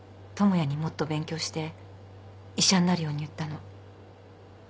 智也にもっと勉強して医者になるように言ったの。